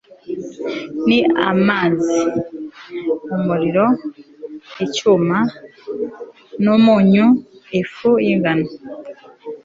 ni amazi, umuriro, icyuma, n'umunyu, ifu y'ingano